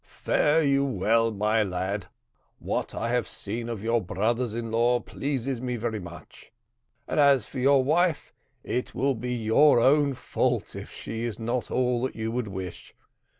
"Fare you well, my lad; what I have seen of your brothers in law pleases me much; and as for your wife, it will be your own fault if she is not all that you would wish.